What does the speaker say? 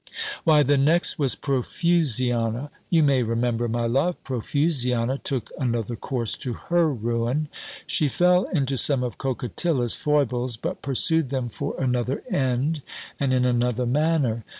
"Why the next was Profusiana, you may remember, my love. Profusiana took another course to her ruin. She fell into some of Coquetilla's foibles, but pursued them for another end, and in another manner.